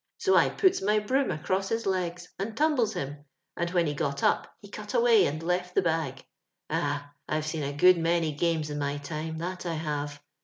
So I puts my broom across his legs and tumbles him, and when he got up he cut away and loft the bag. Ah! I*ve seen a good many games in my time — that I have.